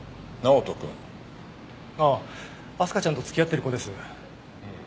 直人くん？ああ明日香ちゃんと付き合ってる子です。